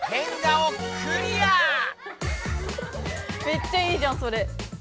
めっちゃいいじゃんそれ。